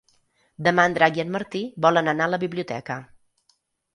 Demà en Drac i en Martí volen anar a la biblioteca.